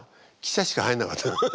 「汽車」しか入んなかったの。